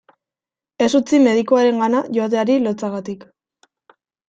Ez utzi medikuarengana joateari lotsagatik.